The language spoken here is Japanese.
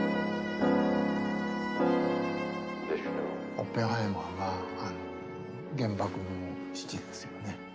オッペンハイマーは原爆の父ですよね。